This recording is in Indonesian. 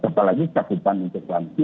apalagi kekutukan untuk lantai